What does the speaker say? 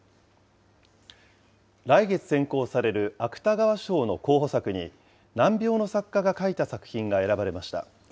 来月選考される芥川賞の候補作に、難病の作家が書いた作品が選ばれました。